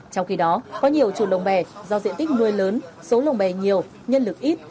trong khi đó có nhiều chủ lồng bè do diện tích nuôi lớn số lồng bè nhiều nhân lực ít